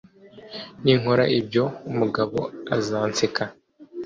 Ninkora ibyo, Mugabo azanseka.